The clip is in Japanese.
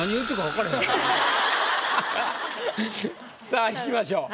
さあいきましょう。